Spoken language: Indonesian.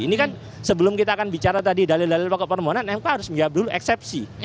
ini kan sebelum kita akan bicara tadi dalil dalil pokok permohonan mk harus menjawab dulu eksepsi